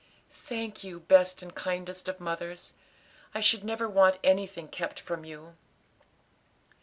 "Thank you, best and kindest of mothers; I should never want anything kept from you."